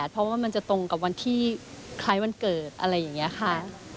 เพราะว่ามันจะตรงกับวันที่คล้ายวันเกิดอะไรอย่างนี้ค่ะ